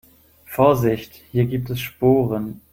Vorsicht, hier gibt es Sporen.